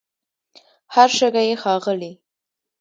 هر شګه یې ښاغلې